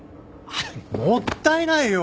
もったいないよ